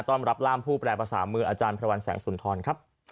ต้อนรับร่ามผู้แปรภาษามืออาจารย์พระวันแสงสุนทรครับ